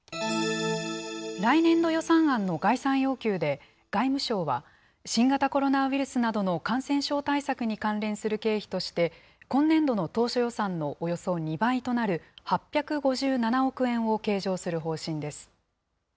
来年の予算案の概算要求で、外務省は、新型コロナウイルスなどの感染症対策に関連する経費として、今年度の当初予算のおよそ２倍となる８５７億円を計上する方針です。